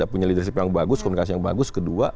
melidah sipil yang bagus komunikasi yang bagus kedua